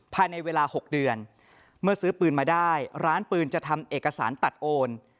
ภายในเวลา๖เดือนเมื่อซื้อปืนมาได้ร้านปืนจะทำเอกสารตัดโอน